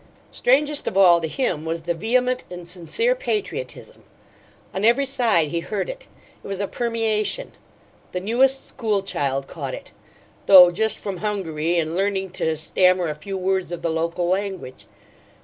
Strangest of all to him was the vehement and sincere patriotism. On every side he heard it it was a permeation; the newest school child caught it, though just from Hungary and learning to stammer a few words of the local language.